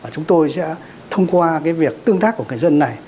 chúng tôi sẽ thông qua việc tương tác của người dân này